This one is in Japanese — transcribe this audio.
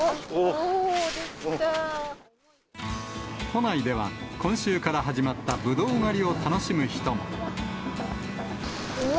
都内では、今週から始まったぶどう狩りを楽しむ人も。